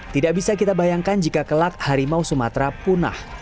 tidak bisa kita bayangkan jika kelak harimau sumatera punah